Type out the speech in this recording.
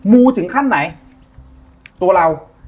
มูถึงขั้นไหนตัวเรา